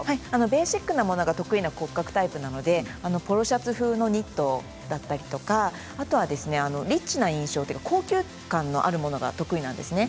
ベーシックなものが得意の骨格タイプなのでポロシャツ風のニットだったりあとはリッチな印象というか高級感のあるものが得意なんですね。